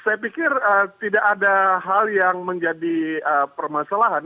saya pikir tidak ada hal yang menjadi permasalahan